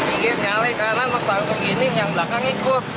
ini nyalik ke kanan terus langsung gini yang belakang ikut